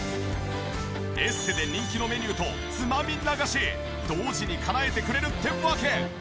エステで人気のメニューとつまみ流し同時にかなえてくれるってわけ！